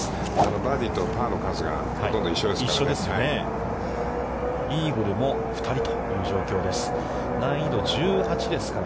バーディーとパーの数がほとんど一緒ですからね。